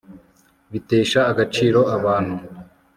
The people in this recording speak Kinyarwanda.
bitesha agaciro abantu